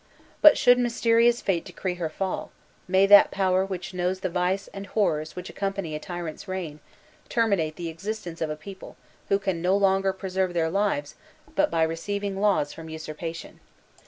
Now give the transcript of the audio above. But, should mysterious fate decree her fall, may that power which knows the vice and horrors which accompany a tyrant's reign, terminate the existence of a people who can no longer preserve their lives but by receiving laws from usurpation!"